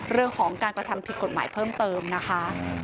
เรื่องของการกระทำผิดกฎหมายเพิ่มเติมนะคะ